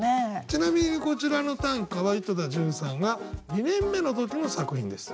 ちなみにこちらの短歌は井戸田潤さんが２年目の時の作品です。